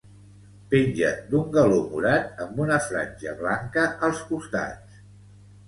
Penja d'un galó morat amb una franja blanca als costats.